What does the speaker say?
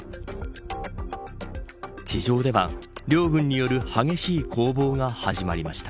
地上では両軍による激しい攻防が始まりました。